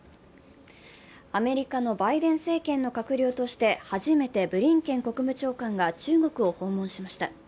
アメリカのバイデン政権の閣僚として初めてブリンケン国務長官が中国を訪問しました。